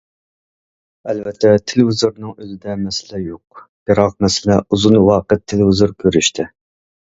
ئەلۋەتتە تېلېۋىزورنىڭ ئۆزىدە مەسىلە يوق، بىراق مەسىلە ئۇزۇن ۋاقىت تېلېۋىزور كۆرۈشتە.